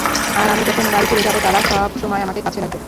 আর আমি যখন বাড়ি ফিরে যাবো, তারা সবসময় আমাকে কাছে রাখবে।